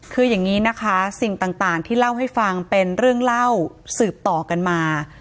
คืออย่างนี้นะคะสิ่งต่างที่เล่าให้ฟังเป็นเรื่องเล่าสืบต่อกันมา